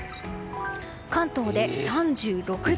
関東で３６度。